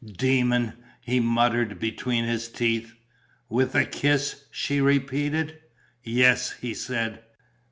"Demon!" he muttered, between his teeth. "With a kiss?" she repeated. "Yes," he said.